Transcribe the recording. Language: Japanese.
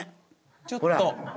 ちょっと。